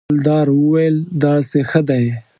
ګلداد وویل: داسې ښه دی.